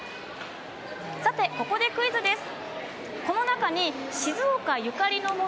さて、ここでクイズです。